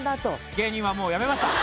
芸人はもうやめました。